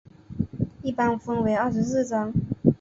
一般分为二十四章。